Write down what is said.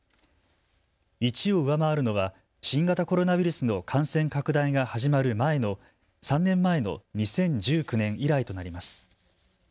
１を上回るのは新型コロナウイルスの感染拡大が始まる前の３年前の２０１９年以来となります。